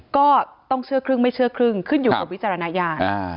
ก็ต้องเชื่อครึ่งไม่เชื่อครึ่งขึ้นอยู่กับวิจารณญาณ